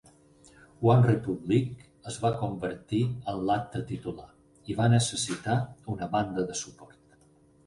OneRepublic es va convertir en l'acte titular i va necessitar una banda de suport.